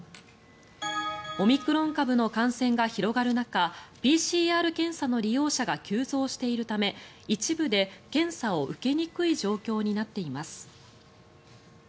オミクロン株の感染が広がる中ＰＣＲ検査の利用者が急増しているため一部で検査を受けにくい状況になっています。